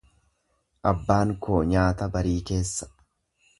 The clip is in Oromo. Abbaan koo nyaata barii keessa.